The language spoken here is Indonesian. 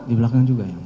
di belakang juga ya mulia